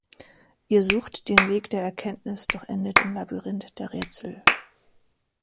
Ihr sucht den Weg der Erkenntnis, doch endet im Labyrinth der Rätsel.